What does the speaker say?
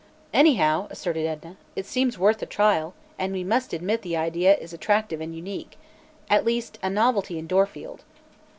"Anyhow," asserted Edna, "it seems worth a trial, and we must admit the idea is attractive and unique at least a novelty in Dorfield."